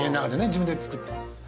自分で作って。